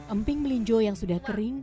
emping melinjo yang sudah kering